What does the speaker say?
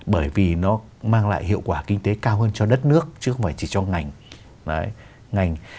bởi vì nó mang lại hiệu quả kinh tế cao hơn cho đất nước chứ không phải chỉ cho ngành